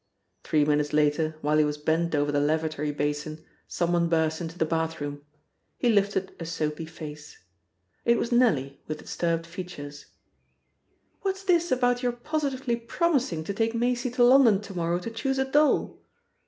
Three minutes later, while he was bent over the lavatory basin, someone burst into the bathroom. He lifted a soapy face. It was Nellie, with disturbed features. "What's this about your positively promising to take Maisie to London to morrow to choose a doll?"